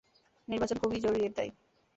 নির্বাচন খুবই জরুরী, এটাই।